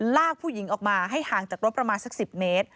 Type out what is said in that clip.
ลากผู้หญิงออกมาให้ห่างจากรถประมาณสัก๑๐เมตร